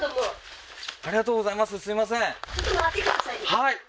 はい